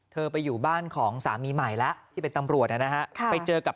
เธอไปอยู่บ้านของสามีใหม่แล้วที่เป็นตำรวจนะฮะไปเจอกับ